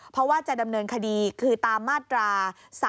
เพราะว่าจะดำเนินคดีคือตามมาตรา๓๔